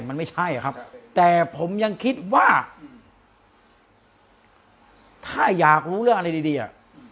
มันไม่ใช่อะครับแต่ผมยังคิดว่าถ้าอยากรู้เรื่องอะไรดีอ่ะ